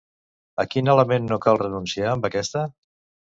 A quin element no cal renunciar amb aquesta?